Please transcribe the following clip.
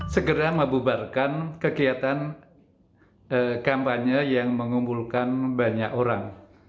segera membubarkan kegiatan kampanye yang mengumpulkan banyak orang